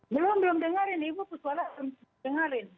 belum belum dengerin ibu suara dengerin